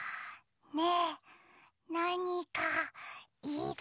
ねえなにかいる？